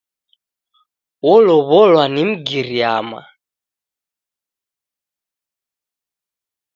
Wolow'olwa ni Mgiriama.